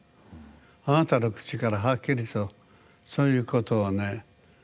あなたの口からはっきりとそういうことをね